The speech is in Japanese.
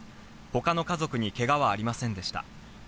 他の家族にけがはありませんでした。